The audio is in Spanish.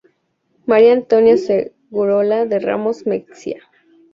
María Antonia Segurola de Ramos Mexía.